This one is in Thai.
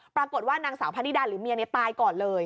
ปรากฏว่านางสาวพะนิดาหรือเมียตายก่อนเลย